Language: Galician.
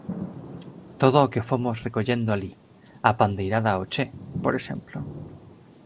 Todo o que fomos recollendo alí: a Pandeirada ao Che, por exemplo.